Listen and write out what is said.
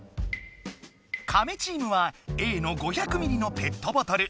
カメチームはＡの「５００ｍのペットボトル」。